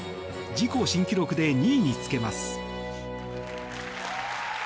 自己新記録で２位につけます。